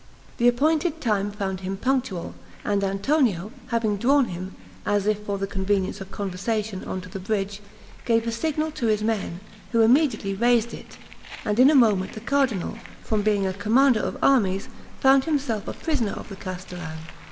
The appointed time found him punctual; and Antonio, having drawn him, as if for the convenience of conversation, on to the bridge, gave a signal to his men, who immediately raised it, and in a moment the cardinal, from being a commander of armies, found himself a prisoner of the castellan.